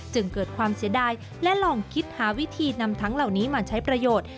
จึงเกิดความเสียดายและลองคิดหาวิธีนำทั้งเหล่านี้มาใช้ประโยชน์